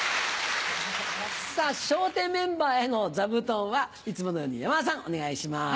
さぁ笑点メンバーへの座布団はいつものように山田さんお願いします。